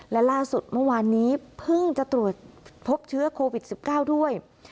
และล่าสุดเมื่อวานนี้เพิ่งจะตรวจพบเชื้อโควิด๑๙ด้วย